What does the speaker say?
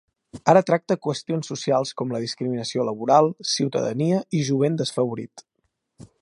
Ara tracta qüestions socials com la discriminació laboral, ciutadania i jovent desfavorit.